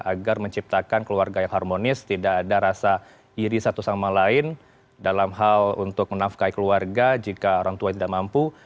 agar menciptakan keluarga yang harmonis tidak ada rasa iri satu sama lain dalam hal untuk menafkai keluarga jika orang tua tidak mampu